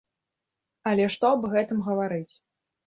Але што аб гэтым гаварыць.